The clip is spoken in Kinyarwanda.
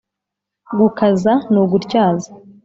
Gukaza ni ugutyaza